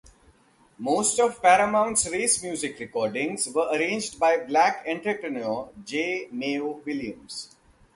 Most of Paramount's race music recordings were arranged by black entrepreneur J. Mayo Williams.